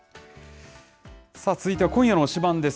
さあ、続いては今夜の推しバン！です。